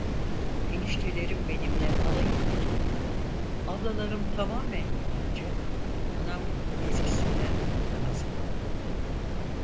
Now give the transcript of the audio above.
Eniştelerim benimle alay eder gibi, ablalarım tamamen yabancı, anam eskisinden daha zavallıydı.